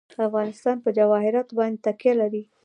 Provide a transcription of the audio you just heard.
افغانستان په جواهرات باندې تکیه لري.